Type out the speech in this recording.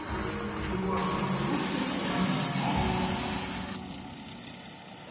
それはどうしてこわいのかな？